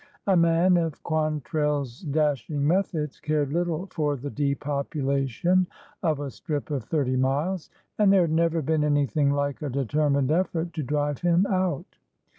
A man of Quantrelks dashing methods cared little for the depopulation of a strip of thirty miles, and there had never been anything like a determined effort to drive him out.